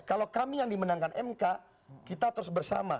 kalau kami yang dimenangkan mk kita terus bersama